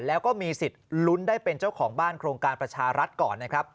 แล้วก็มีสิทธิ์ลุ้นได้เป็นเจ้าของบ้านโครงการประชารัฐก่อนนะครับ